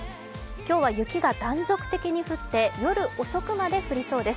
今日は雪が断続的に降って夜遅くまで降りそうです。